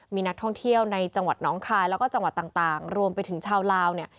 มีนักท่องเที่ยวในจังหวัดน้องคายแล้วก็จังหวัดต่างรวมไปถึงชาวลาวเนี่ย